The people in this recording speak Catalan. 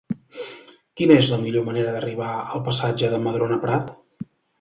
Quina és la millor manera d'arribar al passatge de Madrona Prat?